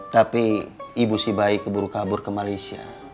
tapi ibu si bayi keburu kabur ke malaysia